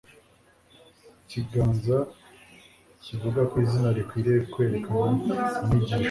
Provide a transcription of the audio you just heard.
cyiganza kivuga ko izina rikwiriye kwerekana inyigisho